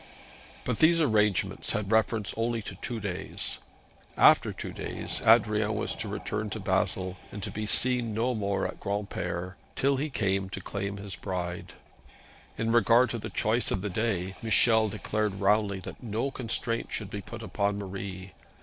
But these arrangements had reference only to two days. After two days, Adrian was to return to Basle, and to be seen no more at Granpere till he came to claim his bride. In regard to the choice of the day, Michel declared roundly that no constraint should be put upon Marie.